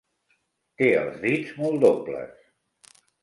Té els dits molt dobles.